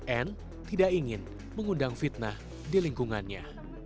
anne tidak ingin mengundang fitnah di lingkungannya